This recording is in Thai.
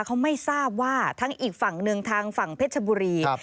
เขาไม่ทราบว่าทั้งอีกฝั่งหนึ่งทางฝั่งเพชรบุรี